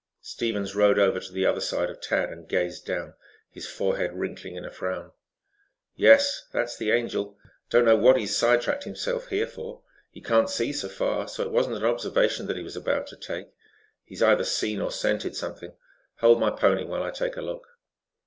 Stevens rode over to the other side of Tad, and gazed down, his forehead wrinkling in a frown. "Yes, that's the Angel. Don't know what he's side tracked himself here for. He can't see far, so it was not an observation that he was about to take. He's either seen or scented something. Hold my pony while I take a look."